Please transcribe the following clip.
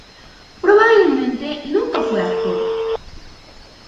Probablemente nunca fue actor.